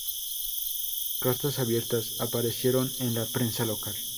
Cartas abiertas aparecieron en la prensa local.